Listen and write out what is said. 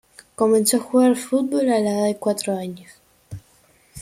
Comenzó a jugar al fútbol a la edad de cuatro años.